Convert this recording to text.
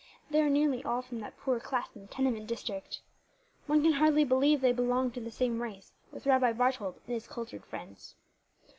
They are nearly all from that poor class in the tenement district. One can hardly believe they belong to the same race with Rabbi Barthold and his cultured friends.